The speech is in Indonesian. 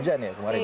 hujan ya kemarin